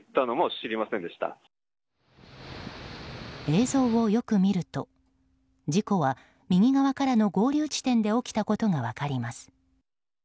映像をよく見ると事故は右側からの合流地点で起きたことが分かります。